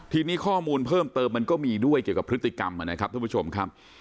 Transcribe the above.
ทีนี้ข้อมูลเพิ่มเติมมันก็มีด้วยเกี่ยวกับพฤติกรรมนะครับท่านผู้ชมครับ